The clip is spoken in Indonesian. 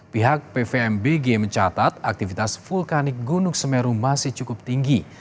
pihak pvmbg mencatat aktivitas vulkanik gunung semeru masih cukup tinggi